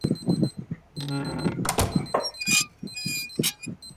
前方为大脑前动脉及其交通支。